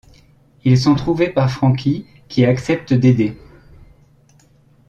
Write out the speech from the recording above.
Ils sont trouvés par Frankie, qui accepte d'aider.